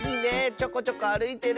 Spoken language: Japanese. ちょこちょこあるいてる。